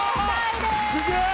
すげえ！